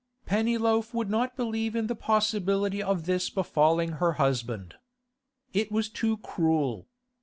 Pennyloaf would not believe in the possibility of this befalling her husband. It was too cruel.